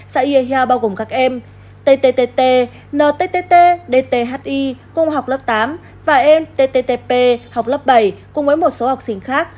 xã yêu hèo bao gồm các em tttt nttt dthi cùng học lớp tám và em tttp học lớp bảy cùng với một số học sinh khác